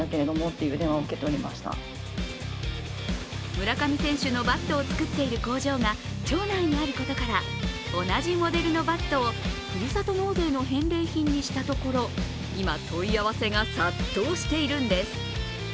村上選手のバットを作っている工場が町内にあることから同じモデルのバットをふるさと納税の返礼品にしたところ今、問い合わせが殺到しているんです。